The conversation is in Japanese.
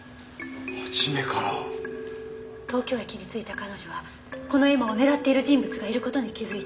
東京駅に着いた彼女はこの絵馬を狙っている人物がいる事に気づいた。